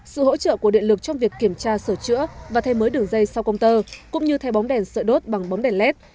sự hỗ trợ của điện lực trong việc kiểm tra sửa chữa và thay mới đường dây sau công tơ cũng như thay bóng đèn sợi đốt bằng bóng đèn led